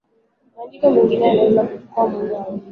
maandiko mengine yanaweza kuchukua muundo wa wenyeji